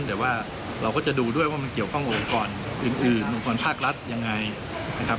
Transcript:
แต่ว่าเราก็จะดูด้วยว่ามันเกี่ยวข้องกับองค์กรอื่นองค์กรภาครัฐยังไงนะครับ